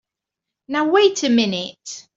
Now wait a minute!